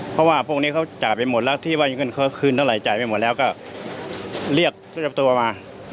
เพราะว่าพวกนี้เขาจ่ายไปหมดแล้วที่ว่าเงินเขาคืนเท่าไหจ่ายไปหมดแล้วก็เรียกเจ้าตัวมา